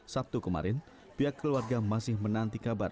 sabtu kemarin pihak keluarga masih menanti kabar